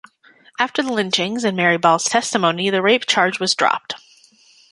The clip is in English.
After the lynchings, and Mary Ball's testimony, the rape charge was dropped.